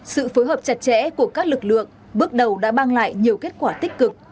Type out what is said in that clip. sự phối hợp chặt chẽ của các lực lượng bước đầu đã mang lại nhiều kết quả tích cực